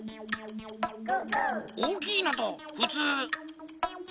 おおきいのとふつう。